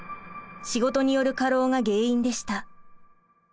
仕事による過労が原因でした。